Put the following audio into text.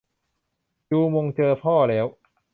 จูมงเจอพ่อแล้ว